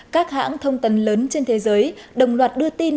các hãng thông tấn lớn trên thế giới đồng loạt đưa tin